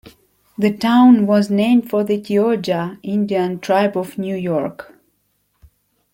The town was named for the Tioga Indian tribe of New York.